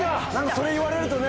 それ言われるとね！